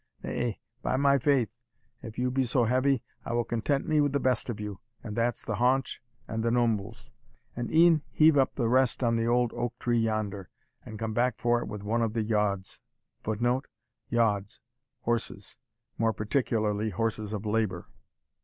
Nay, by my faith, if you be so heavy, I will content me with the best of you, and that's the haunch and the nombles, and e'en heave up the rest on the old oak tree yonder, and come back for it with one of the yauds." [Footnote: Yauds horses; more particularly horses of labour.